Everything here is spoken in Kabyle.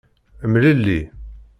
Mlelli.